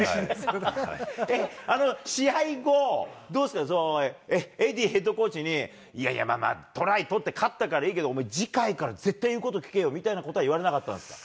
試合後、どうですか、エディーヘッドコーチに、いやいや、まあまあ、トライ取って勝ったからいいけど、お前、次回から絶対言うこと聞けよみたいなことは言われなかったんですか。